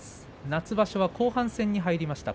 夏場所は後半戦に入りました。